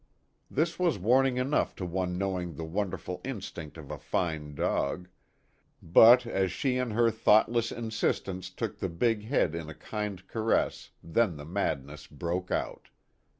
This was warning enough to one knowing the won derful instinct of a fine dog ; but as she in her thoughtless insistence took the big head in a kind caress then the madness broke out.